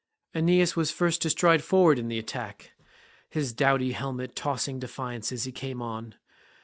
Aeneas was first to stride forward in attack, his doughty helmet tossing defiance as he came on.